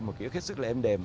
một ký ức hết sức là êm đềm